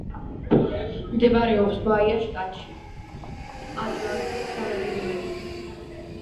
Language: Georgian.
მდებარეობს ბაიას შტატში, ატლანტის სანაპიროზე.